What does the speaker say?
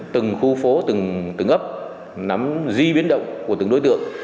từng khu phố từng ấp nắm di biến động của từng đối tượng